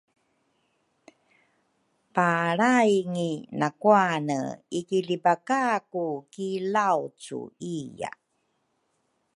palraingi nakuane ikilibakaku ki Laucu iya.